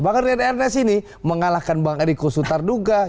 bahkan ren ernest ini mengalahkan bang eriko sutar duga